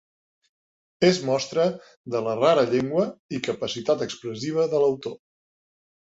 Es mostra de la rara llengua - i capacitat expressiva - de l'autor.